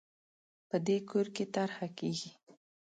په دې کور کې طرحه کېږي